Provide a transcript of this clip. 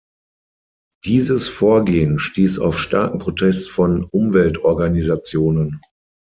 Dieses Vorgehen stieß auf starken Protest von Umweltorganisationen.